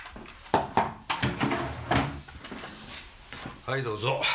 はいどうぞ。